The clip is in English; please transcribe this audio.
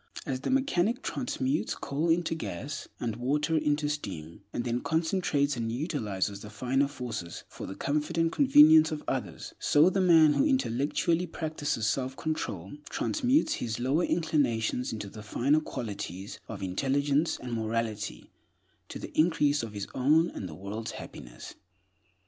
As the mechanic transmutes coal into gas, and water into steam, and then concentrates and utilizes the finer forces for the comfort and convenience of others, so the man who intellectually practices selfcontrol transmutes his lower inclinations into the finer qualities of intelligence and mortality to the increase of his own and the world's happiness.